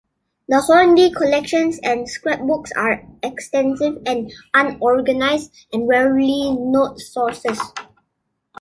The Hornby collections and scrapbooks are extensive and unorganised, and rarely note sources.